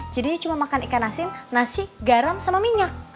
jadi cuma makan ikan asin nasi garam sama minyak